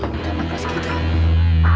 minta makasih gitu ya